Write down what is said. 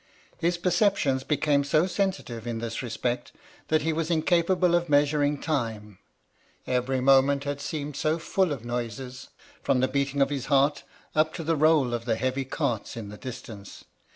His perceptions became so sensitive in this respect that he was incapable of measuring time, every moment had seemed so full of noises, from the beating of his heart up to the roll of the heavy carts in the distance.